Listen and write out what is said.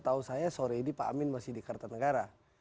tahu saya sore ini pak amin masih di kertanegara